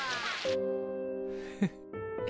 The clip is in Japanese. フッ。